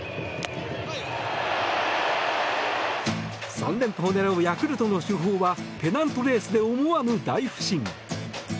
３連覇を狙うヤクルトの主砲はペナントレースで思わぬ大不振。